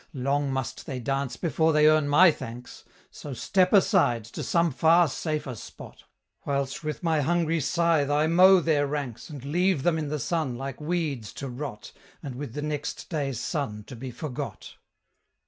Long must they dance before they earn my thanks, So step aside, to some far safer spot, Whilst with my hungry scythe I mow their ranks, And leave them in the sun, like weeds, to rot, And with the next day's sun to be forgot."